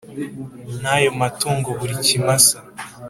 N ayo matungo buri kimasa